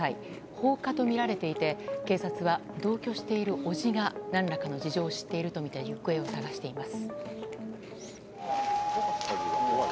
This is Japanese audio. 放火とみられていて警察は同居している伯父が何らかの事情を知っているとみて行方を捜しています。